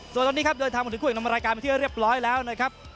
ส่วนตอนนี้ครับเดินทางมาถึงคู่เอกนำรายการมาที่เรียบร้อยแล้วนะครับ